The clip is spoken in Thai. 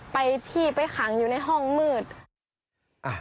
ไปที่ไปขังอยู่ในห้องมืด